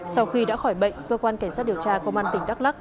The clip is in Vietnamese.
sau khi đã khỏi bệnh cơ quan cảnh sát điều tra công an tỉnh đắk lắc